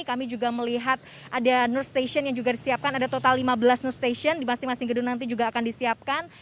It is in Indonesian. kami juga melihat ada nur station yang juga disiapkan ada total lima belas nur station di masing masing gedung nanti juga akan disiapkan